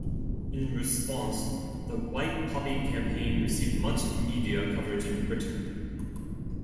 In response, the White Poppy campaign received much media coverage in Britain.